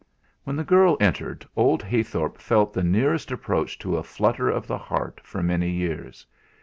When the girl entered old Heythorp felt the nearest approach to a flutter of the heart for many years.